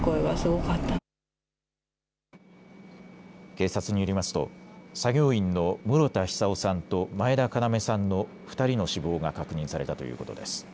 警察によりますと作業員の室田久生さんと前田要さんの２人の死亡が確認されたということです。